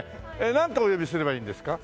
なんとお呼びすればいいんですか？